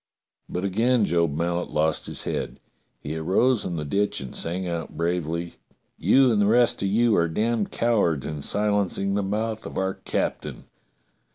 But again Job Mallet lost his head. He arose in the ditch and sang out bravely: "You and the rest of you are damned cowards in silencing the mouth of our cap tain.